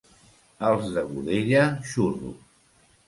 Els de Godella, xurros.